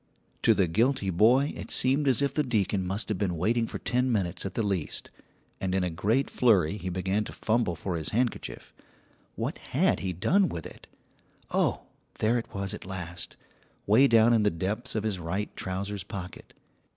To the guilty boy it seemed as if the deacon must have been waiting for ten minutes at the least, and in a great flurry he began to fumble for his handkerchief. What had he done with it? Oh, there it was at last, way down in the depths of his right trousers' pocket.